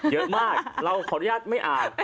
เยอะมากเราขออนุญาตไม่อ่าน